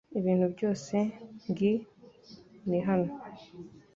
Ibintu byose ngi ni hano .